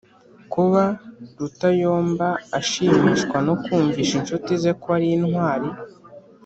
Kuba Rutayomba ashimishwa no kumvisha inshuti ze ko ari intwari